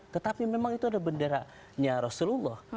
tetapi memang itu ada benderanya rasulullah